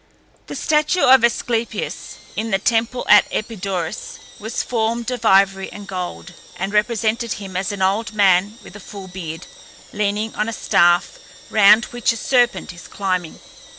The statue of Asclepias in the temple at Epidaurus was formed of ivory and gold, and represented him as an old man with a full beard, leaning on a staff round which a serpent is climbing.